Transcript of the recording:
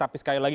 tapi sekali lagi